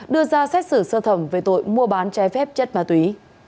đưa ra xét xử sơ thẩm về tội mua bán trái phép chất ma túy